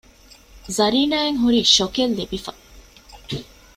ޒަރީނާ އަށް ހުރީ ޝޮކެއް ލިބިފަ